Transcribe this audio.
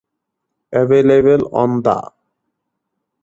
Available on the